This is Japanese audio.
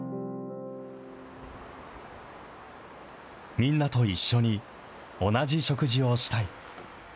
みんなと一緒に、同じ食事をしたい。